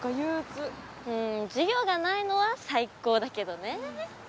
うん授業がないのは最高だけどね。